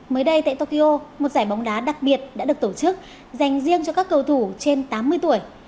mới đây tại tokyo một giải bóng đá đặc biệt đã được tổ chức dành riêng cho các cầu thủ trên tám mươi tuổi